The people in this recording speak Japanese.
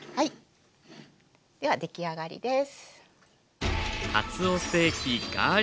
出来上がりです。